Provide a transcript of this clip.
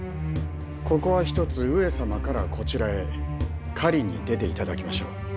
ここはひとつ上様からこちらへ狩りに出て頂きましょう。